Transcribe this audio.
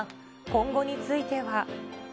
今後については。